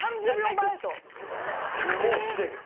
もうすでに？